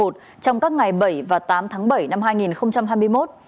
trong các ngày bảy và tám tháng bảy năm hai nghìn hai mươi một